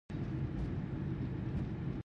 عنبربويه او سنبل مويه نه ده